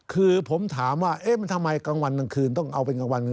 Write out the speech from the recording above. คือผมถามว่าเอ๊ะมันทำไมกลางวันกลางคืนต้องเอาเป็นกลางวัน